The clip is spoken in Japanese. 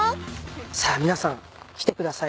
さあ皆さん来てください